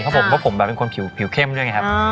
เพราะผมแบบเป็นคนผิวเข้มด้วยไงครับ